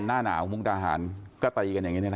หน้าหนาวมุกดาหารก็ตีกันอย่างนี้นี่แหละ